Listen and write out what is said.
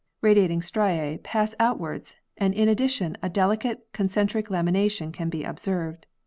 Radiating striae pass outwards, and in addition a delicate concentric lamination can be observed.